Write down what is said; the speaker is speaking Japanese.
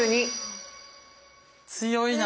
強いな。